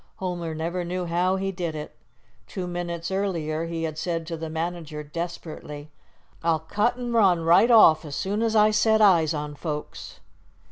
Homer never knew how he did it. Two minutes earlier he had said to the manager, desperately: "I'll cut an' run right off as soon as I set eyes on folks."